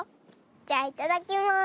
じゃいただきます。